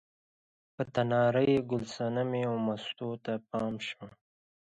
په تنار یې ګل صنمې او مستو ته پام شو.